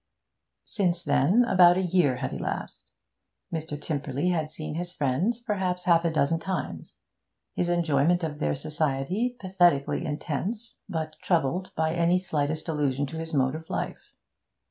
Since then about a year had elapsed. Mr. Tymperley had seen his friends perhaps half a dozen times, his enjoyment of their society pathetically intense, but troubled by any slightest allusion to his mode of life.